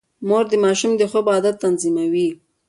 مور د ماشوم د خوب عادت تنظيموي.